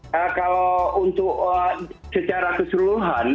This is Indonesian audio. kalau untuk secara keseluruhan